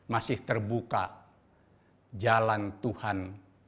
masih terbuka jalan tuhan